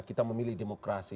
kita memilih demokrasi